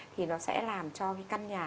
thì nó sẽ làm cho cái căn nhà